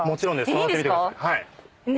触ってみてください。